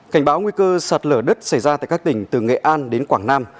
cảnh báo nguy cơ sạt lở đất xảy ra tại các tỉnh từ nghệ an đến quảng nam